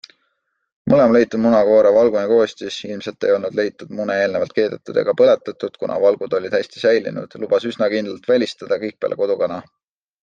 Mõlema leitud muna koore valguline koostis - ilmset ei olnud leitud mune eelnevalt keedetud ega põletatud, kuna valgud olid hästi säilinud - lubas üsna kindlalt välistada kõik peale kodukana.